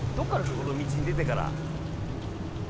この道出てから。